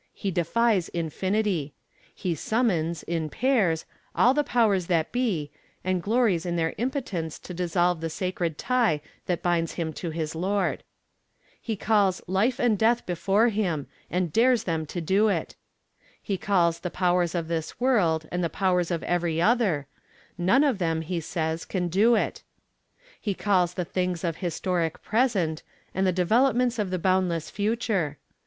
He defies infinity. He summons, in pairs, all the powers that be, and glories in their impotence to dissolve the sacred tie that binds him to his Lord. He calls Life and Death before him and dares them to do it! He calls the Powers of this World and the Powers of Every Other; none of them, he says, can do it! He calls the Things of the Historic Present and the Developments of the Boundless Future.